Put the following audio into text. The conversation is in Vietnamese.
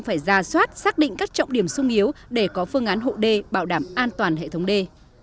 phải ra soát xác định các trọng điểm sung yếu để có phương án hộ đê bảo đảm an toàn hệ thống đê